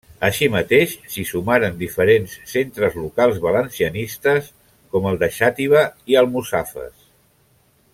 Així mateix, s'hi sumaren diferents centres locals valencianistes, com el de Xàtiva i Almussafes.